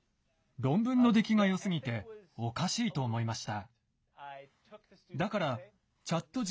論文のできがよすぎて、おかしいと思いました。